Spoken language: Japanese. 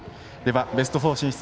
ベスト４進出